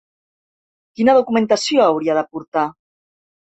Quina documentació hauria de portar?